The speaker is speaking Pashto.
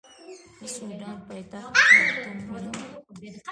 د سوډان پایتخت خرطوم ونیو.